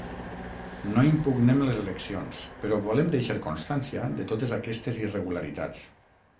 No impugnem les eleccions, però volem deixar constància de totes aquestes irregularitats.